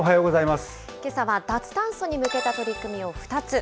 けさは脱炭素に向けた取り組みを２つ。